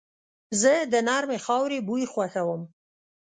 زه د نرمې خاورې بوی خوښوم.